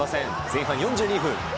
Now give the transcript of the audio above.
前半４２分。